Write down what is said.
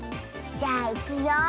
じゃあいくよ。